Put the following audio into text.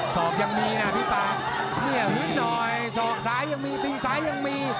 ทรรพยังมีนะพี่ปากหลืดหน่อยสอบซ้ายังมีตรงซ้ายังมี